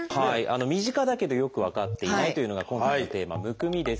身近だけどよく分かっていないというのが今回のテーマ「むくみ」ですけども。